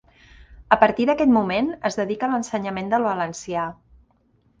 A partir d'aquest moment es dedica a l'ensenyament del valencià.